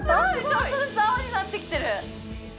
ちょっとずつ青になってきてる！